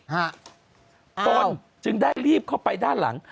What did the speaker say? ตนจึงได้รีบเข้าไปด้านหลัง